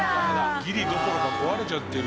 「ギリどころか壊れちゃってる」